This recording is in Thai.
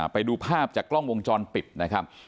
ไปดูภาพจากกล้องวงจรปิดนะครับ